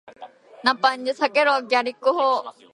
ナッパ避けろー！ギャリック砲ー！